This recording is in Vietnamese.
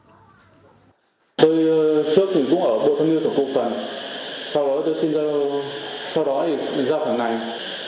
tôi trước thì cũng ở bộ thông nghiên tổng cộng cần sau đó thì ra thẳng này